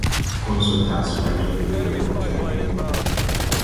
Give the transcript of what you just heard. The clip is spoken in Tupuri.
Konsɔ taa solay do bi, ren gɔ kermeneg.